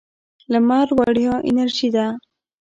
لمر وړیا انرژي ده.